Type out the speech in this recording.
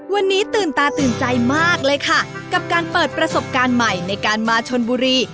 วันนี้ตื่นตาตื่นใจมากเลยค่ะกับการเปิดประสบการณ์ใหม่ในการมาชนบุรี